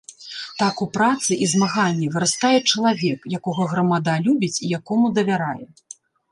Так у працы і змаганні вырастае чалавек, якога грамада любіць і якому давярае.